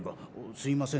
「すいません」